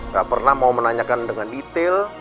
gak pernah mau menanyakan dengan detail